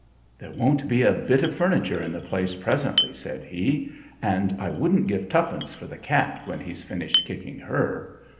"There won't be a bit of furniture in the place presently," said he, "and I wouldn't give twopence for the cat when he's finished kicking her.